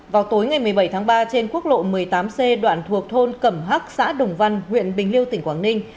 vào tối ngày một mươi bảy tháng ba trên quốc lộ một mươi tám c đoạn thuộc thôn cẩm hắc xã đồng văn huyện bình liêu tỉnh quảng ninh